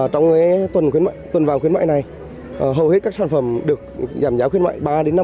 trong tuần vàng khuyến mại này hầu hết các sản phẩm được giảm giá khuyến mại ba năm